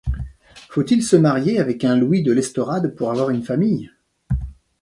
Faut-il se marier avec un Louis de l’Estorade pour avoir une famille ?